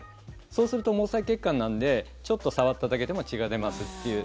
そうすると毛細血管なのでちょっと触っただけでも血が出ますっていう。